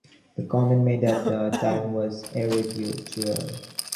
The comment made at the time was A radio jewel.